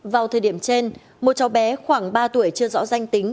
vào thời điểm trên một cháu bé khoảng ba tuổi chưa rõ danh tính